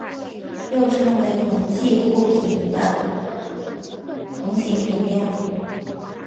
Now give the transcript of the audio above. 又称为同侪互评或同行评量。